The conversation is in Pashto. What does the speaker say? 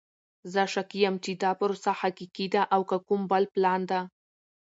زه شکي یم چې دا پروسه حقیقی ده او که کوم بل پلان ده!